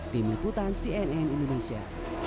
tim liputan cnn indonesia